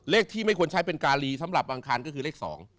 เลขที่ไม่ควรใช้เป็นการีสำหรับบางคันก็คือเลข๒